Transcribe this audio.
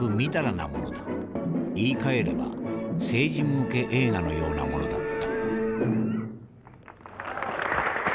言いかえれば成人向け映画のようなものだった」。